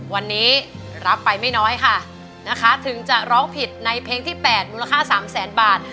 วันนี้รับไปไม่น้อยค่ะนะคะถึงจะร้องผิดในเพลงที่๘มูลค่า๓แสนบาท